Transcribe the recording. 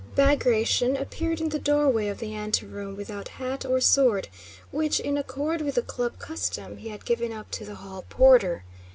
Bagratión appeared in the doorway of the anteroom without hat or sword, which, in accord with the club custom, he had given up to the hall porter.